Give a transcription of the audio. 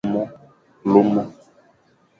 Lomo.